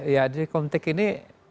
ya di komitek ini